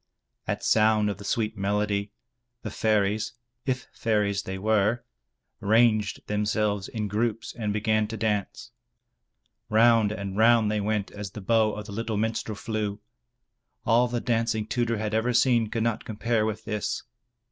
At sound of the sweet melody, the fairies (if fairies they were) ranged themselves in groups and began to dance. Round and round they went as the bow of the little minstrel flew. All the dancing Tudur had ever seen could not compare with this.